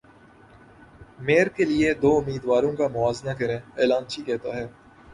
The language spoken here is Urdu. میئر کے لیے دو امیدواروں کا موازنہ کریں اعلانچی کہتا ہے